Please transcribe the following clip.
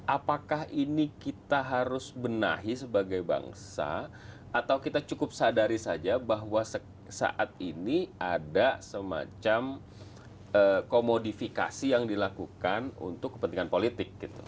apakah ini kita harus benahi sebagai bangsa atau kita cukup sadari saja bahwa saat ini ada semacam komodifikasi yang dilakukan untuk kepentingan politik